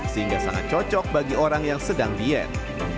sehingga sangat cocok bagi orang yang sedang diet